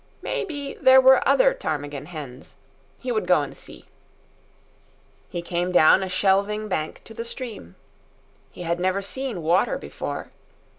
May be there were other ptarmigan hens. He would go and see. He came down a shelving bank to the stream. He had never seen water before.